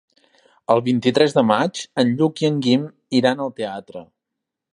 El vint-i-tres de maig en Lluc i en Guim iran al teatre.